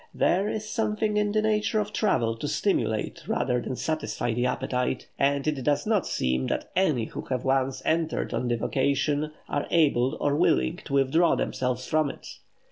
There is something in the nature of travel to stimulate rather than satisfy the appetite, and it does not seem that any who have once entered on the vocation are able or willing to withdraw themselves from it.